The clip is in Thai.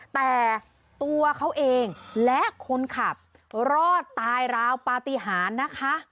แต่ตัวเขาเองและคนขับรอดตายราวปฏิหารนะคะ